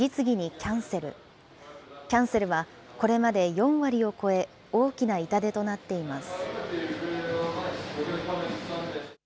キャンセルはこれまで４割を超え、大きな痛手となっています。